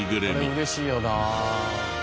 これ嬉しいよな。